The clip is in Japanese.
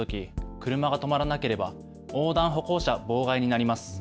車が止まらなければ横断歩行者妨害になります。